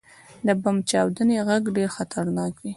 • د بم چاودنې ږغ ډېر خطرناک وي.